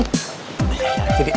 pak yang lain